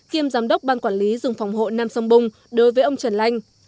kiêm giám đốc ban quản lý rừng phòng hộ nam sông bung đối với ông trần lanh